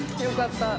よかった。